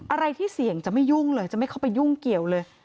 อะไรที่เสี่ยงจะไม่ยุ่งเลยจะไม่เข้าไปยุ่งเกี่ยวเลย